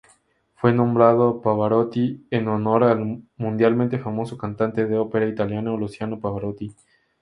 Fue nombrado Pavarotti en honor al mundialmente famoso cantante de ópera italiano Luciano Pavarotti.